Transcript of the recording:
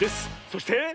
そして。